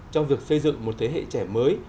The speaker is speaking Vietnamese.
trong việc xây dựng một thế hệ trẻ mới